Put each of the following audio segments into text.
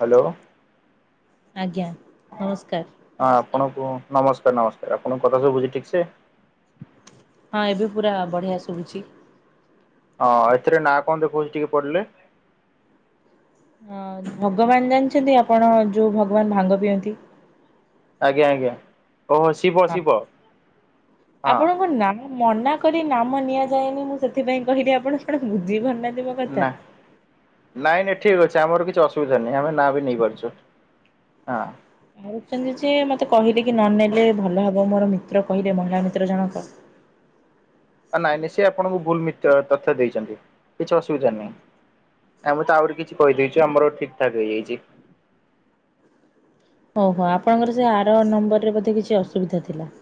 Hello. ଆଜ୍ଞା ନମସ୍କାର। ହଁ ଆପଣଙ୍କୁ ନମସ୍କାର ନମସ୍କାର ଆପଣଙ୍କ କଥା ସବୁ ସୁବୁଛି ଠିକ ସେ? ହଁ ଏବେ ପୁରା ବଢ଼ିଆ ଶୁଭୁଛି। ହଁଏଥିରେ ନାଁ କଣ ଦେଖଉଚି ଟିକେ ପଢିଲେ? ହଁ ଭଗବାନ ଜାଣିଛନ୍ତି ଆପଣ ଯୋଉ ଭଗବାନ ଭାଙ୍ଗ ପିଅନ୍ତି। ଆଜ୍ଞା ଆଜ୍ଞା ଓହୋ ଶିବ ହଁ ଶିବ ହଁ। ଆପଣଙ୍କ ନାମ ମନା କରି ନାମ ନିଆଯାଏନି ମୁଁ ସେଥିପାଇଁ କହିଲି ଆପଣ କଣ ବୁଝିପାରୁନାହାନ୍ତି ମୋ କଥା। ନା। ନାଇଁ ନାଇଁ ଠିକ୍ ଅଛି ଆମର କିଛି ଅସୁବିଧା ନାହିଁ ଆମେ ନାଁ ବି ନେଇପାରୁଛୁ ହଁ। ମୁଁ ଛନ୍ତି ଯେ ମତେ କହିଲେ କି ନନେଲେ ଭଲ ହବ ମୋର ମିତ୍ର କହିଲେ ମହିଳା ମିତ୍ର ଜଣକ ନାଇଁ ନାଇଁ ସେ ଆପଣଙ୍କୁ ଭୁଲ ମିତ୍ର ତଥ୍ୟ ଦେଇଛନ୍ତି କିଛି ଅସୁବିଧା ନାଇଁ। ଆ ପରେତ ଆହୁରି କିଛି କହିଦେଇଚୁ ଆମର ଠିକ ଠାକ ହେଇଯାଇଚି। ଓହ ଆପଣଙ୍କର ସେ ଆର ନମ୍ବରରେ ବୋଧେ କିଛି ଅସୁବିଧା ଥିଲା।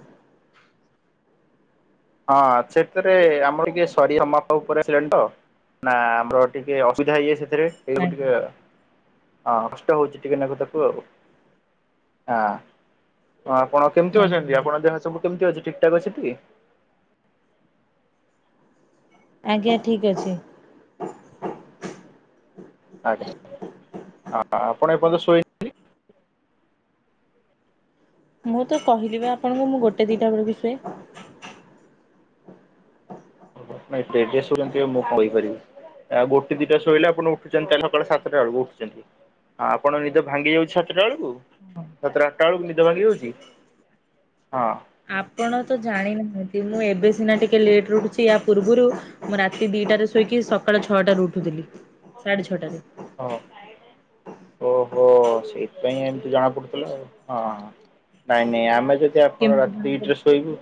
ହଁ ସେଥିରେ ଆମର କିଏ ସରିର ମାପ ଉପରେ ଆସିଲାନି ତ। ନା ଆମର ଟିକେ ଅସୁବିଧା ହେଇଯାଏ ସେଥେରେ ଏଇଗୁ ଆଜ୍ଞା ଟିକେ ହଁ କଷ୍ଟ ହଉଛି ଟିକେ ନାକୁ ତାକୁ ଆଉ ହ ତେଣୁ ଆପଣ କେମିତି ଆଜ୍ଞା। ଅଛନ୍ତି ଆପଣଙ୍କ ଦେହ ସବୁ କେମିତି ଅଛି ଠିକଠାକ୍ ଅଛି ଟୀ? ଆଜ୍ଞା ଠିକ୍ ଅଛି। ଆଜ୍ଞା ଆପଣ ଏପର୍ଯ୍ୟନ୍ତ ଶୋଇନାହାଁନ୍ତି? ମୁଁ ତ କହିଲୀ ବା ଆପଣଙ୍କୁ ମୁଁ ଗୋଟେ ଦିଟା ବେଳକୁ ଶୁଏ। ନାଇଁ [unintelligible] ମୁଁ କହିପାରିବି ଆଉ ଗୋଟେ ଦିଟା ଶୋଇଲେ ଆପଣ। ଉଠୁଛନ୍ତି ତାହେଲେ ସକାଳେ ସାତଟା ବେଳକୁ ଉଠୁଛନ୍ତି। ଆପଣ ନିଦ ଭାଙ୍ଗି ଯାଉଛି ସାତଟା ବେଳକୁ ସାତଟା ଆଠଟା ବେଳକୁ ନିଦ ଭାଙ୍ଗି ଯାଉଛି? ହଁ। ଆପଣ ତ ଜାଣିନାହାନ୍ତି ମୁଁ ଏବେ ସିନା ଟିକେ ଲେଟ ରେ ଉଠୁଛି ୟା ପୂର୍ବରୁ। ମୁଁ ରାତି ଦିଟାରେ ଶୋଇକି ସକାଳ ଛଅଟାରୁ ଉଠୁଥିଲି ସାଢେ ଛଅଟାରେ। ଓହୋ। ଓହୋ ସେଇଥିପାଇଁ ଏମିତି ଜଣା ପଡୁଥିଲା ଆଉ ହଁ ହଁ ନାଇଁ ନାଇଁ ଆମେ ଯ ଆପଣ କେମିତି ରାତି ଜଣା ଦିଟାରେ ପଡୁଛି ଶୋଇବୁ।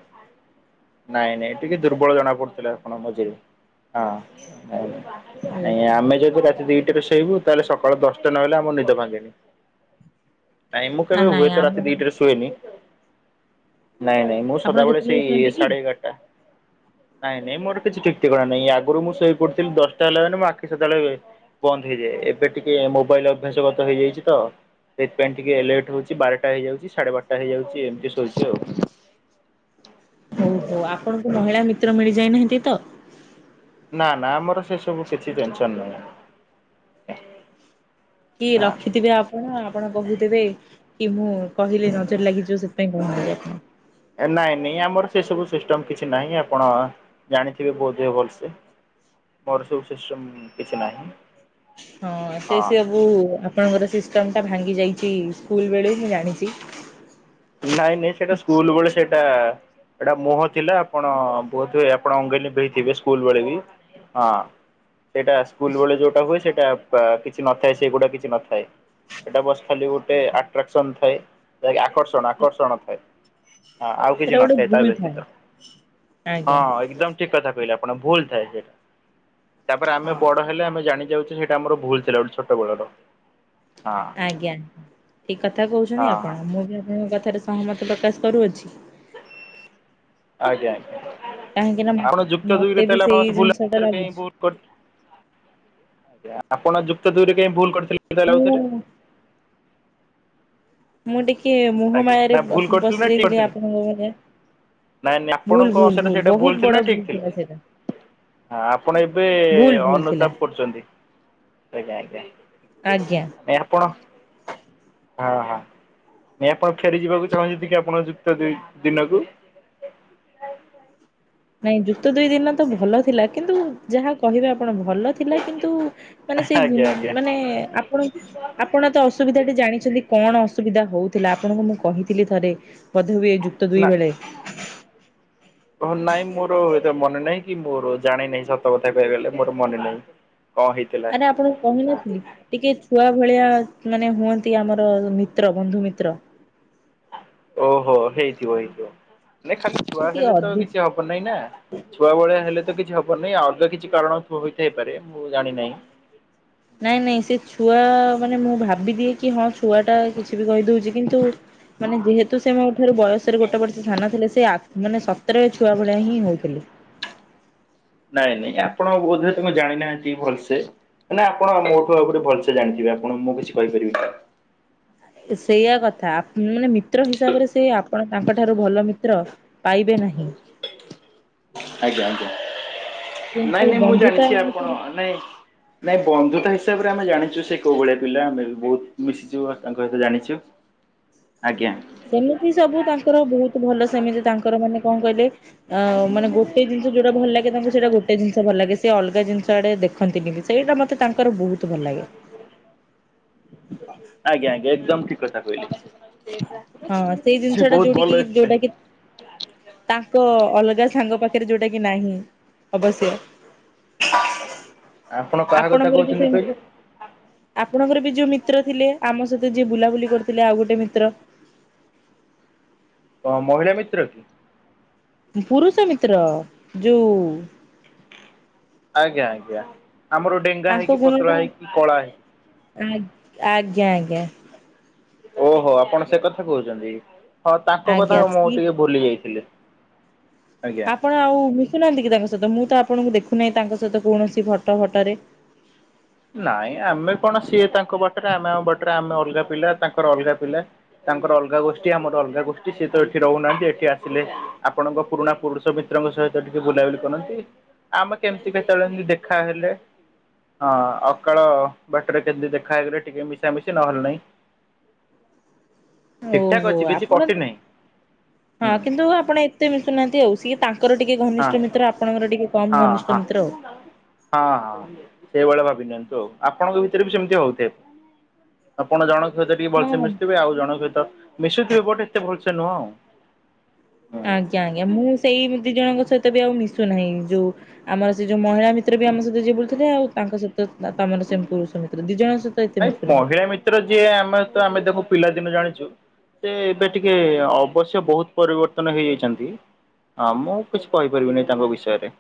ନାଇଁ ନାଇଁ ଟିକେ ଦୁର୍ବଳ ଜଣା ପଡୁଥିଲେ ଆପଣ ମଝିରେ ହଁ ନାଇ। ଓହୋ। ଆଜ୍ଞା ଆମେ ଯଦି ରାତି ଦିଟାରେ ଶୋଇବୁ ତାହେଲେ ସକାଳ ଦଶଟା ନହେଲେ ଆମ ନିଦ ଭାଙ୍ଗେନି। ନାଇଁ ମୁଁ ଆ କେବେ ନାଇଁ ହୁଏତ ରାତି ଆମର ଦିଟାରେ ଶୁଏନି ନାଇଁ ନାଇଁ। ମୁଁ ଆପଣ ସଦାବେଳେ କେତେବେଳେ ସେଇ ଶୁଅନ୍ତି କି? ସାଢେ ଏଗାରଟା। ନାଇଁ ନାଇଁ ମୋର କିଛି ଠିକ ଠିକଣା ନାଇଁ ଆଗରୁ ମୁଁ ଶୋଇ ପଡୁଥିଲି ଦଶଟା ହେଲା ମାନେ ମୋ ଆଖି ସେତେବେଳେ। ହେଇଯାଏ ଏବେ ଟିକେ ମୋବାଇଲ ଅଭ୍ୟାସଗତ ହେଇଯାଇଛି ତ। ସେଇଥିପାଇଁ ପାଇଁ ଟିକେ ଲେଟ୍ ହଉଛି ବାରଟା ହେଇଯାଉଛି ସାଢେ ବାରଟା ହେଇଯାଉଛି ଏମିତି ଶୋଉଛି ଆଉ। ହଉ ହଉ ଆପଣଙ୍କୁ ମହିଳା ମିତ୍ର ମିଳିଯାଇନାହାନ୍ତି ତ। ନା ନା ଆମର ସେ ସବୁ କିଛି ଟେନସନ ନୁହଁ। କି ରଖିଥିବେ ଆପ ଉଁ ଆପଣ କହୁଥିବେ କି ମୁଁ କହିଲେ ନଜର ଲାଗିଯିବ ସେଥିପାଇଁ କହୁନାହାନ୍ତି ଆପଣ। ଏ ନାଇଁ ନାଇଁ ଆମର ସେ ସବୁ ସିଷ୍ଟମ କିଛି ନାହିଁ ଆପଣ ଜାଣିଥିବେ ବୋଧେ ଭଲସେ। ମୋର ସବୁ ସିଷ୍ଟମ୍ କିଛି ନାହିଁ। ହଁ ସେ ସେଆ ଉ ଆପଣଙ୍କର ସିଷ୍ଟମ ଟା ଭାଙ୍ଗି ଯାଇଛି ସ୍କୁଲ ବେଳେ ମୁଁ ଜାଣିଛି। ନାଇଁ ନାଇଁ ସେଇଟା ସ୍କୁଲ ବେଳେ ସେଟା। ଏଟା ମୁହଁ ଥିଲା ଆପଣ ବୋଧେ ଆପଣ ଅଙ୍ଗେ ନିଭେଇ ଥିବେ ସ୍କୁଲ ବେଳେ ବି। ହଁ ସେଟା ସ୍କୁଲ ବେଳେ ଯୋଉଟା ହୁଏ ସେଟା। ପା କିଛି ନଥାଏ ସେଗୁଡା କିଛି ନଥାଏ। ଏଇଟା ବସ ଖାଲି ଗୋଟେ ଆଟ୍ରାକ୍ସନ ଥାଏ ଯାହାକି ଆକର୍ଷଣ ଆକର୍ଷଣ ଥାଏ। ହଁ ଆଉ ସେଟା କିଛି ଗୋଟେ ନଥାଏ ତା ଭୁଲ ଥାଏ ବ୍ୟତୀତ ହଁ ଆଜ୍ଞା ଏକଦମ। ଠିକ୍ କଥା କହିଲେ ଆପଣ ଭୁଲ ଥାଏ ସେଇଟା ତାପରେ ଆମେ ହଁ। ବଡ ହେଲେ ଆମେ ଜାଣି ଯାଉ କି ସେଟା ଆମର ଭୁଲ ଥିଲା ଗୋଟେ ଛୋଟବେଳର। ଆଜ୍ଞା ଆଜ୍ଞା ଠିକ କଥା କହୁଛନ୍ତି ହଁ ଆପଣ ମୁଁ ବି ଆପଣଙ୍କ କଥାରେ ସହମତି ପ୍ରକାଶ କରୁଅଛି। ଆଜ୍ଞା କାହିଁକି ନା ଆଜ୍ଞା। ଆପଣ ଯୁକ୍ତ ଦୁଇ ମତେ ରେ ବି ତାହେଲେ ସେଇ ଆପଣ ସ୍କୁଲ ରେ ଜିନିଷ ଟା ଆଉଥରେ ପାଇଁ ଲାଗୁଛି। ବୁ କ ଆଜ୍ଞା ଆପଣ ଯୁକ୍ତ ଦୁଇରେ କାହିଁକି ଭୁଲ କରିଥିଲେ ତାହେଲେ ମୁଁ ଆଉଥରେ? ମୁଁ ଟିକେ ମୋହ ଆଜ୍ଞା ମାୟାରେ ନା ଅ ଭୁଲ କରିଥିଲେ ପସି ନା ଠିକ ଯାଇଥିଲି କରିଥିଲେ ଆପଣଙ୍କ ଘରେ। ନାଇଁ ନାଇଁ ଭୁଲ ଆପଣଙ୍କ ଭୁଲ ଅନୁସାରେ ଭୁଲ ସେଇଟା ବହୁତ ଥିଲା ନା ବଡ ଠିକ ଭୁଲ ଥିଲା ସେଟା। ହଁ ଆପଣ ଏବେ ଥିଲା ଅନୁତାପ କରୁଛନ୍ତି। ଆଜ୍ଞା ଆଜ୍ଞା ଆଜ୍ଞା। ନାଇ ଆପଣ। ହଁ ହଁ ନାଇ ଆପଣ ଫେରି ଯିବାକୁ ଚାହୁଁଛନ୍ତି କି ଆପଣ ଯୁକ୍ତ ଦୁଇ ଦିନକୁ? ନାଇଁ ଯୁକ୍ତ ଦୁଇ ଦିନ ତ ଭଲ ଥିଲା କିନ୍ତୁ ଯାହା କହିବେ ଆପଣ ଭଲ। ଥିଲା କିନ୍ତୁ ମାନେ ସେଇ ଦୁ ଆଜ୍ଞା ଆଜ୍ଞା ମାନେ ଆପଣ। ଆପଣ ତ ଅସୁବିଧାଟି ଜାଣିଛନ୍ତି କଣ ଅସୁବିଧା ହଉଥିଲା ଆପଣଙ୍କୁ ମୁଁ କହିଥିଲି ଥରେ। ବୋଧେ ହୁଏ ଏଇ ଯୁକ୍ତ ଦୁଇ ବେଳେ। ଓହୋ ନାଇଁ ମୋର ଏତେ ମନେ ନାହିଁ କି ମୋର ଜାଣି ନାହିଁ ସତ କଥା କହିବାକୁ ଗଲେ ମୋର ମନେ ନାହିଁ। କ ହେ ଆରେ ଆପଣଙ୍କୁ କହିନଥିଲି। ଟିକେ ଛୁଆ ଭଳିଆ ମାନେ ହୁଅନ୍ତି ଆମର ମିତ୍ର ବନ୍ଧୁ ମିତ୍ର। ଓହୋ ହେଇଥିବ ହେଇଥିବ ନାଇ ଖାଲି ସେ ଛୁଆ ଟିକେ ହେଲେ ତ ଅଧି କିଛି ହ ହ ନାଇଁ ନା ଛୁଆ ଭଳିଆ ହେଲେ ତ କିଛି ହବ ନାହିଁ ଆଉ ଅଲଗା କିଛି କାରଣ ହୋଇଥାଇପାରେ ମୁଁ ଜାଣି ନାହିଁ। ନାଇଁ ନାଇଁ ସେ ଛୁଆ ମାନେ ମୁଁ ଭାବିଦିଏ କି ହଁ ଛୁଆ ଟା କିଛି ବି କହିଦଉଛି କିନ୍ତୁ। ମାନେ ଯେହେତୁ ସେ ମୋ ଠାରୁ ବୟସରେ ଗୋଟେ ବର୍ଷ ସଥାନ ଥିଲେ ସେ ମାନେ ସତର ଛୁଆ ଭଳିଆ ହିଁ ହଉଥିଲେ। ନାଇଁ ନାଇଁ ଆପଣ ବୋଧେ ତାଙ୍କୁ ଜାଣିନାହାନ୍ତି ଭଲସେ। ନା ଆପଣ ମୋଠୁ ଆଉ ଗଟେ ଭଲସ ଜାଣିଥିବେପଣ ମୁଁ କିଛି କହିପାରିବି ନା। ସେଇଆ କଥା ମାନେ ମିତ୍ର ହିସାବରେ ସେ ଆପଣ ତାଙ୍କ ଠାରୁ ଭଲ ମିତ୍ର। ପାଇବେ ନାହିଁ। ଆଜ୍ଞା ଆଜ୍ଞା କିନ୍ତୁ ନାଇଁ ନାଇଁ ମୁଁ ବନ୍ଧୁତା ଜାଣିଛି ଆପଣ ଅନୁସାରେ ନାଇଁ ନାଇଁ ବନ୍ଧୁତା ହିସାବରେ ଆମେ ଜାଣିଛୁ ସେ କୋଉ ଭଳିଆ ପିଲା ଆମେ ବି ବହୁତ ମିଶିଛୁ ଆଉ ତାଙ୍କ ସହିତ ଜାଣିଛୁ। ଆଜ୍ଞା। ସେମିତି ସବୁ ତାଙ୍କର ବହୁତ ଭଲ ସେମିତି ତାଙ୍କର ମାନେ କଣ କହିଲେ ଅ ମାନେ ଗୋଟେ ଜିନିଷ ଯୋଉଁଟା ଭଲ ଲାଗେ ତାଙ୍କୁ ସେଟ ଗୋଟେ ଜିନିଷ ଭଲ ଲାଗେ ସେ ଅଲଗା ଜିନିଷ ଆଡେ ଦେଖ ରଖନ୍ତିନିତି ସେଇଟା ମୋତେ ତାଙ୍କର ବହୁତ ଭଲ ଲାଗେ। ଆଜ୍ଞା ଆଜ୍ଞା ଏକଦମ ଠିକ କଥା କହିଲ। ହଁ ସେଇ ଜିନିଷଟା ଯୋଉଠ କି ଯୋଉଟା କି। ତାଙ୍କ ଅଲଗା ସାଙ୍ଗ ପାଖରେ ଯୋଉଟା କି ନାହିଁ ଅବଶ୍ୟ ଆପଣ କାହା କଥା ଆପଣଙ୍କର ବି କହୁଛନ୍ତି ସେମ କହିଲେ? ଆପଣଙ୍କର ବି ଯୋଉ ମିତ୍ର ଥିଲେ ଆମ ସହିତ ଯିଏ ବୁଲାବୁଲି କରିଥିଲେ ଆଉ ଗୋଟେ ମିତ୍ର। ଅ ମହିଳା ମିତ୍ର କି? ପୁରୁଷ ମିତ୍ର ଯୋଉ ଆଜ୍ଞା ଆଜ୍ଞା ଆମର ଡେଙ୍ଗା ତାଙ୍କ ହେଇକି ପତଳା ଗୁଣଟ ହେଇକି କଳା ହେଇକି ଆ ଆଜ୍ଞା ଆଜ୍ଞା। ଓହୋ ଆପଣ ସେ କଥା କହୁଛନ୍ତି ହଁ ତାଙ୍କ କଥା ଆଜ୍ଞା ମୁଁ ଆଜ୍ଞା ଟିକେ ଭୁଲି ଯାଇଥିଲି। ଆଜ୍ଞା। ଆପଣ ଆଉ ମିଶୁନାହାନ୍ତି କି ତାଙ୍କ ସହିତ ମୁଁ ତ ଆପଣଙ୍କୁ ଦେଖୁନାହିଁ ତାଙ୍କ ସହିତ କୌଣସି ଫଟ ଭଟ ରେ? ନାଇଁ ଆମେ କଣ ସିଏ ତାଙ୍କ ବାଟରେ ଆମେ ଆମ ବାଟରେ ଆମେ ଅଲଗା ପିଲା ତାଙ୍କର ଅଲଗା ପିଲା। ତାଙ୍କର ଅଲଗା ଗୋଷ୍ଠୀ ଆମର ଅଲଗା ଗୋଷ୍ଠୀ ସିଏ ତ ଏଠି ରହୁନାହାନ୍ତି ଏଠି ଆସିଲେ ଆପଣଙ୍କ ପୁରୁଣା ପୁରୁଷ ମି ତ୍ର ଙ୍କ ସହିତ ଟିକେ ବୁଲାବୁଲି କରନ୍ତି। ଆମେ କେମିତି କେତେବେଳେ ଏମିତି ଦେଖାହେଲେ। ହଁ ଅକାଳ ବାଟରେ କେମିତି ଦେଖା ହେଇଗଲେ ଟିକେ ମିଶାମିଶି ନହେଲେ ନାହିଁ। ଠିକ ଠାକ୍ ଓହୋ ଅଛି କିଛି ଆପଣ କଟି ନାହିଁ ହୁଁ ହଁ କିନ୍ତୁ ଆପଣ ଏ ତେ ମିଶୁନାହାନ୍ତି ଆଉ ସିଏ ତାଙ୍କର ଟିକେ ହଁ ଘନିଷ୍ଟ ମିତ୍ର ଆପଣଙ୍କ ଟିକେ କମ୍ ହଁ ହଁ। ଘନିଷ୍ଟ ମିତ୍ର ଆଉ। ହଁ ହଁ ସେଇଭଳିଆ ଭାବି ନିଅନ୍ତୁ ଆଉ ଆପଣଙ୍କ ଭିତରେ ବି ସେମିତି ହଉଥିବ। ଆପଣ ଜଣକ ସହିତ ଟିକେ ଭଲସେ ହଁ ମିଶୁଥିବେ ଆଉ ଜଣ ସହିତ ମିଶୁଥିବେ ବଟ ଏତେ ଭଲସେ ନୁହଁ ଆଉ। ହୁଁ ଆଜ୍ଞା ଆଜ୍ଞା ମୁଁ ସେଇ ଦି ଜଣଙ୍କ ସହିତ ବି ଆଉ ମିଶୁ ନାହିଁ ଯୋଉ ଆମର ସେ ଯୋଉ ମହିଳା ମି ମିତ୍ର ବି ଆମ ସହିତ ଯିଏ ବୁଲୁ ଥିଲେ ଆଉ ତାଙ୍କ ସହିତ ତମର ସେ ପୁରୁଷ ମିତ୍ର ଦି ଜଣଙ୍କ ସହିତ ଏତେ ନାଇଁ ମିଶୁ ନାହିଁ। ମହିଳା ମିତ୍ର ଯିଏ ଆମେ ତ ଆମେ ଦେଖୁ ପିଲାଦିନୁ ଜାଣିଛୁ। ଏବେ ଟିକେ ଅବଶ୍ୟ ବହୁତ ପରିବର୍ତ୍ତନ ହେଇଯାଇଛନ୍ତି। ହଁ ମୁଁ କିଛି କହିପାରିବିନି ତାଙ୍କ ବିଷୟରେ।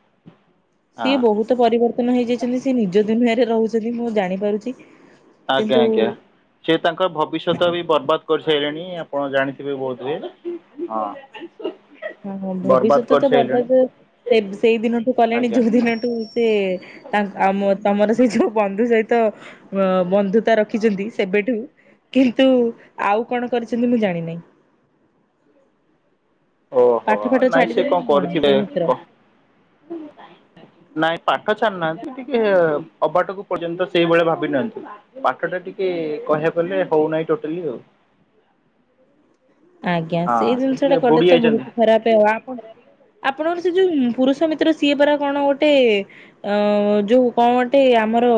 ହଁ ସିଏ ବହୁତ ପରିବର୍ତ୍ତନ ହେଇଯାଇଛନ୍ତି ସିଏ ନିଜ ଦୁନିଆରେ ରହୁଛନ୍ତି ମୁଁ ଜାଣିପାରୁଛି। ଆଜ୍ଞା ଆଜ୍ଞା। କିନ୍ତୁ ସେ ତାଙ୍କର ଭବିଷ୍ୟତ ବି ବର୍ବାଦ କରିସାରିଲେଣି ଆପଣ ଜାଣିଥିବେ ବୋଧ ହୁଏ। ହଁ। ଓ ହୋ ବର୍ବାଦ ଭବିଷ୍ୟତ ତ କରିସାରିଲେଣି ବର୍ବାଦ ସେଇ ଦିନଠୁ କଲେଣି ଆଜ୍ଞା। ଯୋଉଁ ଦିନଠୁ ସେ ତାଙ୍କ ଆମ ତମର ସେଇ ଯୋଉଁ ବନ୍ଧୁ ସହିତ ବନ୍ଧୁ ରଖିଛନ୍ତି ସେବେଠୁ କିନ୍ତୁ ଆଉ କଣ କରିଛନ୍ତି ମୁଁ ଜାଣିିନାହିଁ। ଓହୋ ପାଠ ଫାଠ ନାଇଁ ସେ ଛାଡିଦେଲେ ନା କଣ କରିଥିବେ ସେ ମିତ୍ର। କ ନାଇଁ ପାଠ ଛାଡୁନାହାନ୍ତି ଟିକେ ଅବାଟକୁ ପର୍ଯ୍ୟନ୍ତ ସେଇଭଳିଆ ଭାବିନିଅନ୍ତୁ। ପାଠ ଟା ଟିକେ କହିବାକୁ ଗଲେ ହଉନାହିଁ ଟୋଟାଲି ଆଉ। ଆଜ୍ଞା ସେଇ ହଁ ସେ ଜିନିଷ ଟା ଟିକେ କଲେ ବୁଡି ତ ଯାଇଛନ୍ତି ବହୁତ ଖରାପ ଆଉ ଆପଣ ଆପଣଙ୍କର ସେ ଯୋଉ ପୁରୁଷ ମିତ୍ର ସିଏ ପରା କଣ ଗୋଟେ? ଅ ଯୋଉ କଣଗୋଟେ ଆମର।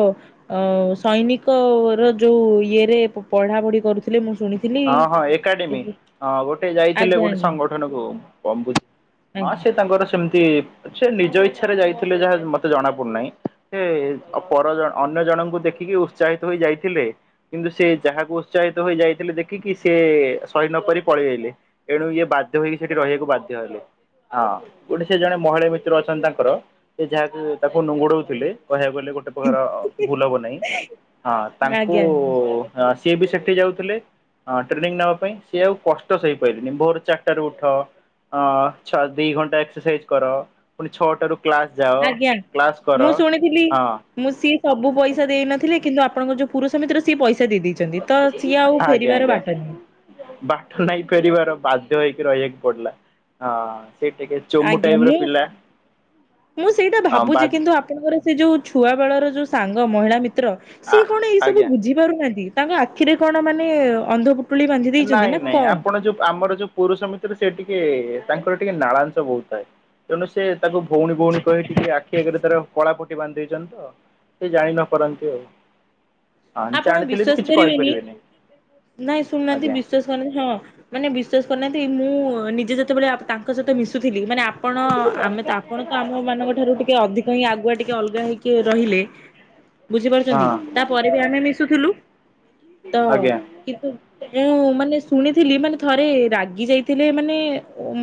ଅ ସୈନିକ ର ଯୋଉ ଇଏରେ ପଢ଼ାପଢ଼ି କରୁଥିଲେ ମୁଁ ଶୁଣିି ହଁ ହଁ ଏକାଡେମୀ। ହଁ ଗୋଟେ ଯାଇଥିଲେ ଆଜ୍ଞା ଗୋଟେ ଆଜ୍ଞା ସଂଗଠନକୁୁ ହଁ ଆଜ୍ଞା। ସେ ତାଙ୍କର ସେମିତି ସେ ନିଜ ଇଚ୍ଛାରେ ଯାଇଥିଲେ ଯାହା ମତେ ଜଣା ପଡୁନାହିଁ ସେ ପର ଅନ୍ୟ ଜଣଙ୍କୁ ଦେଖିକି ଉତ୍ସାହିତ ହୋଇ ଯାଇଥିଲେ କିନ୍ତୁ ସେ ଯାହାକୁ ଉତ୍ସାହିତ ହୋଇ ଯାଇଥିଲେ ଦେ ଖିକିି ସେ ସହି ନ ପରି ପଳେଇଆଇଲେ ଏଣୁ ଇଏ ବାଧ୍ୟ ହୋଇ ସେଠି ରହିବାକୁ ବାଧ୍ୟ ହେଲେ। ହଁ ଗୋଟେ ସେ ଜଣେ ମହିଳା ମିତ୍ର ଅଛନ୍ତି ତାଙ୍କର ସେ ଯାହାକ ତାକୁ ନୁଙ୍ଗୁଡ଼ଉଥିଲେ କହିବାକୁ ଗଲେ ଗୋଟେ ପ୍ରକାର ଭୁଲ ହବ ନାହିଁ ଆଜ୍ଞା ହଁ ତାଙ୍କୁ ଆଜ୍ଞା ସିଏ ବି ସେଠି ଯାଉଥିଲେ। ହଁ ଟ୍ରେନିଂ ନବା ପାଇଁ ସିଏ ଆଉ କଷ୍ଟ ସଇପାରିଲେନି ଭୋର ଚାରିଟା ରୁ ଉଠ। ହ ଛ ଦି ଘଣ୍ଟା ଏକ୍ସରସାଇଜ କର ପୁଣୀ କ୍ଲାସ୍ ଯାଅ ଆଜ୍ଞା। କ୍ଲାସ୍ କର ମୁଁ ଶୁଣିଥିଲି ହଁ। ମୁଁ ସିଏ ସବୁ ପଇସା ଦେଇନଥିଲି କିନ୍ତୁ ଆପଣଙ୍କ ଯୋଉ ପୁରୁଷ ମିତ୍ର ସିଏ ପଇସା ଦେଇ ଦେଇ ଛନ୍ତି ତ ସିଏ ଆଉ ଆଜ୍ଞା ଫେରିବାର ଆଜ୍ଞା। ବାଟ ନାହିଁ। ବାଟ ନାଇଁ ଫେରିବାର ବାଧ୍ୟ ହେଇକି ରହିବାକୁ ପଡିଲା ହଁ ସେ ଟିକେ ଚୋମୁ ଆଜ୍ଞା ଟାଇପ ର ମୁଁ ପିଲା ମୁଁ ସେଇଟା ହଁ ବା ଭାବୁଛି କିନ୍ତୁ ଆପ କିନ୍ତୁ ମୋର ସେ ଯୋଉ ଛୁଆ ବେଳର ଯୋଉ ସାଙ୍ଗ ମହିଳା ମିତ୍ର ସିଏ କଣ ଏଇ ସବୁ ଆଜ୍ଞା। ବୁଝି ପାରୁନାହାନ୍ତି ତାଙ୍କ ଆଖିରେ କଣ ମାନେ ଅନ୍ଧ ପୁ ନାଇଁ ନାଇଁ ଆପଣ ଯୋଉ ଆମର ଯୋଉ ପୁରୁଷ ମିତ୍ର ସେ ଟିକେ ତାଙ୍କର ଟିକେ ନାଳାଂଶ ବହୁତ ଥାଏ। ତେଣୁ ସେ ତାକୁ ଭଉଣୀ ଭଉଣୀ କହି ଟିକେ ଆଖି ଆଗରେ ତାର କଳାପଟି ବାନ୍ଧି ଦେଇଛନ୍ତି ତ। ସେ ଜାଣି ନପାରନ୍ତି ଆଉ ହଁ ଆପଣ ଜାଣିଥିଲି ବି ବିଶ୍ଵାସ କିଛି କରିବେନି କହିଁପାରିବେନି। ନାଇଁ ଶୁଣୁନାହାନ୍ତି ବିଶ୍ୱାସ ହଁ ମାନେ ବିଶ୍ଵାସ କରୁନାହାନ୍ତି ମୁଁ ନିଜେ ଯେତେବେଳେ ତାଙ୍କ ସହିତ ମିଶୁଥିଲି ମାନେ ଆ ଆପଣ ଆମେ ତ ଆପଣ ତ ଆମ ମାନଙ୍କ ଠାରୁ ଟିକେ ଅଧିକ ହିଁ ଆଗୁଆ ଟିକେ ଅଲଗା ହେଇକି ରହିଲେ। ବୁଝିପାରୁଛନ୍ତି ହଁ। ତାପରେ ବି ଆମେ ମିଶୁଥିଲୁ ତ ଆଜ୍ଞା କିନ୍ତୁ ମୁଁ ମାନେ ଶୁଣିଥିଲି ମାନେ ଥରେ ରାଗି ଯାଇଥିଲେ ମାନେ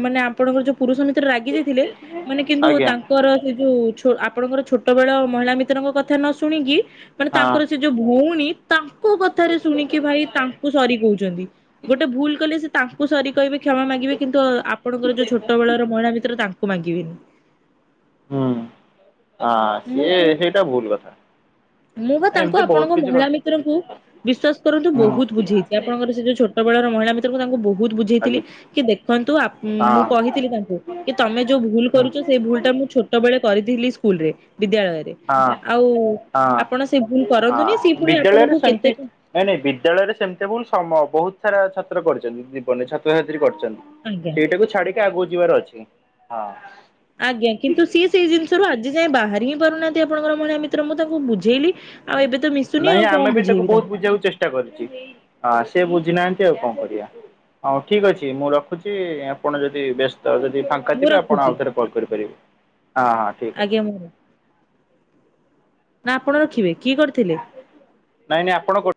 ମାନେ ଆ ପଣଙ୍କର ଯୋଉ ପୁରୁଷ ମିତ୍ର ରାଗି ଯାଇଥିଲେ ମାନେ କିନ୍ତୁ ଆଜ୍ଞା ତାଙ୍କର ସେ ଯୋଉ ଆପଣଙ୍କର ଛୋଟ ବେଳ ମହିଳା ମିତ୍ରଙ୍କ କଥା ନ ଶୁଣିକି ମାନେ ହଁ ତାଙ୍କର ସେ ଯୋଉ ଭଉଣୀ ତା ଙ୍କ କଥାରେ ଶୁଣିକି ଭାଇ ତାଙ୍କୁ ସରି କହୁଛନ୍ତି ଗୋଟେ ଭୁଲ କଲେ ସେ ତାଙ୍କୁ ସରି କହିବେ କ୍ଷମା ମାଗିବେ କିନ୍ତୁ ଆପଣଙ୍କର ଯୋଉ ଛୋଟ ବେଳର ମହିଳା ମିତ୍ର ତାଙ୍କୁ ମାଗିବେ। ହୁଁ ଆ ମୁଁ ସିଏ ସେ ସେଇଟା ଭୁଲ ହେଲା। ମୁଁ ବା ତାଙ୍କୁ ଆପଣଙ୍କ ମହିଳା ମି ତ୍ର ଙ୍କୁ ବିଶ୍ୱାସ କରନ୍ତୁ ବହୁତ ହୁଁ। ବୁଝେଇଛି ଆପଣଙ୍କର ସେ ଯୋଉ ଛୋଟ ବେଳର ମହିଳା ମୀ ତ୍ର ତାଙ୍କୁ ବହୁତ ବୁଝେଇଥିଲି ଆଜ୍ଞା। କି ଦେଖନ୍ତୁ ହଁ ମୁଁ କହିଥିଲି ତାଙ୍କୁ କି ତମେ ଯୋଉ ଭୁଲ କରୁଛ ସେଇ ଭୁଲ ଟା ମୁଁ ଛୋଟ ବେଳେ କରିଥିଲି ସ୍କୁଲ ରେ ବିଦ୍ୟାଳୟରେ ହଁ ଆଉ ଆପଣ ସେ ଭୁଲ୍ ହଁ ବିଦ୍ୟାଳୟରେ ସେମିତି ନାଇଁ ନାଇଁ ବିଦ୍ୟାଳୟରେ ସେମିତି ଭୁଲ ସମ ବହୁତ ସାରା ଛାତ୍ର କରିଛନ୍ତି ଜୀବନରେ ଛାତ୍ରଛାତ୍ରୀ କରିଛନ୍ତି। ଆଜ୍ଞା। ସେଇଟାକୁ ଛାଡ଼ିକି ଆଗକୁ ଯିବାର ଅଛି ହଁ। ଆଜ୍ଞା କିନ୍ତୁ ସିଏ ସେଇ ଜିନିଷରୁ ଆଜି ଯାଏଁ ବାହାରି ହିଁ ପାରୁନାହାନ୍ତି ଆପଣଙ୍କର ମହିଳା ମିତ୍ର ମୁଁ ତାଙ୍କୁ ବୁଝେଇଲି। ଆଉ ଏବେ ତ ମିଶୁନି ନାଇଁ ଆଉ ଆମେ କଣ ବି ତାକୁ ବୁଝେଇବି ବହୁତ ତାଙ୍କୁ। ବୁଝିବାକୁ ଚେଷ୍ଟା କରିଛି ସେ ବୁଝି ନାହାନ୍ତି ଆଉ କଣ କରିବା। ହଉ ଠିକ୍ ଅଛି ମୁଁ ରଖୁଛି ଆପଣ ଯଦି ବ୍ୟସ୍ତ ଅଛନ୍ତି ଫା ଙ୍କା ମୁଁ ଥିବେ ଆପଣ ରଖୁଛି ଆଉ ଥରେ କଲ୍ କରିପାରିବେ ହଁ ହଁ ଠିକ୍ ଅଛି। ଆଜ୍ଞା ମୁଁ ନା ଆପଣ ରଖିବେ କିଏ କରିଥିଲେ? ନାଇଁ ନାଇଁ ଆପଣ କ